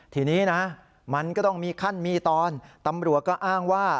ทีนี้นะมันก็ต้องมีขั้นมีตอนตำรวจก็อ้างว่า